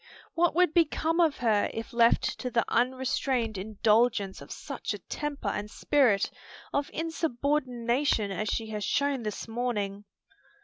What would become of her if left to the unrestrained indulgence of such a temper and spirit of insubordination as she has shown this morning?"